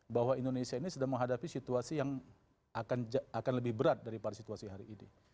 bahwa indonesia ini sedang menghadapi situasi yang akan lebih berat daripada situasi hari ini